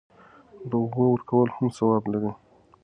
د اوبو ورکول هم ثواب لري.